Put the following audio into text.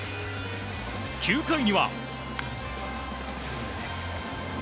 ９回には。